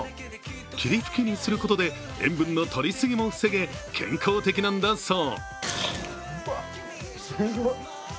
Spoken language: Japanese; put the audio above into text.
霧吹きにすることで塩分の取りすぎも防げ、健康的なんだそう。